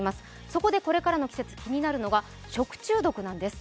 そこでこれからの季節気になるのが食中毒なんです。